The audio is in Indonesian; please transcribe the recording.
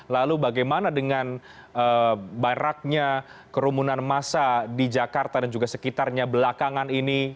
lalu bagaimana dengan baraknya kerumunan massa di jakarta dan juga sekitarnya belakangan ini